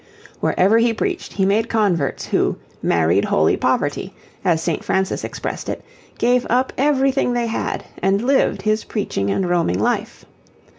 Wherever he preached he made converts who 'married Holy Poverty,' as St. Francis expressed it, gave up everything they had, and lived his preaching and roaming life.